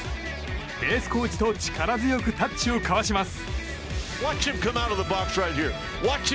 ベースコーチと力強くタッチを交わします。